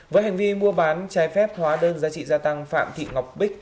với hành vi mua bán trái phép hóa đơn giá trị gia tăng phạm thị ngọc bích